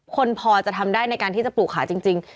คนพอจะทำได้ในการที่จะปลูกขาจริง